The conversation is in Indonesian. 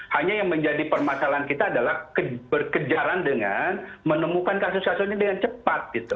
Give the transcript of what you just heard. hanya yang menjadi permasalahan kita adalah berkejaran dengan menemukan kasus kasus ini dengan cepat gitu